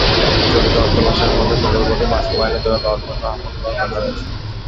চলতি অর্থবছরের মধ্যে প্রকল্পটি বাস্তবায়নের জন্য দরপত্র আহ্বান করার কথা রয়েছে।